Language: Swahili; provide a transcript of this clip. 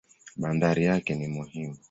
Bandari yake ni muhimu.